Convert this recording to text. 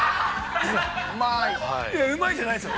◆西田さん、うまい、じゃないですよ。